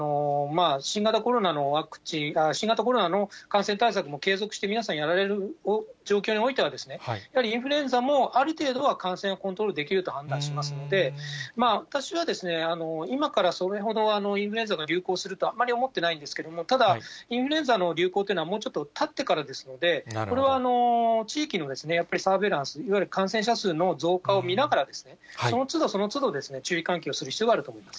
今後、新型コロナの感染対策も継続して皆さんやられる状況においては、やはりインフルエンザも、ある程度は感染をコントロールできると判断しますので、私は、今からそれほどインフルエンザが流行するとはあんまり思ってないんですけれども、ただ、インフルエンザの流行というのは、もうちょっとたってからですので、これは地域の、やっぱりサーベランス、いわゆる感染者数の増加を見ながらですね、そのつどそのつど、注意喚起をする必要があると思うんです。